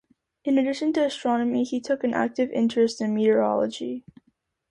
In an addition to astronomy, he took an active interest in meteorology.